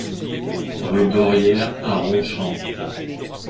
Rue d'Orière à Ronchamp